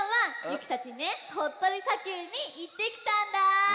ゆきたちねとっとりさきゅうにいってきたんだ！